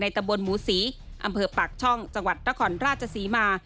ในตะบนหมูศรีอำเภอปากช่องจังหวัดตะขอร์นราชสีมา